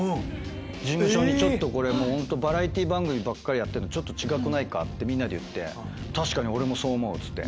事務所に「ちょっとこれホントバラエティー番組ばっかりやってるの違くないか？」ってみんなで言って「確かに俺もそう思う」っつって。